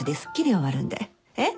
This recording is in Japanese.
えっ？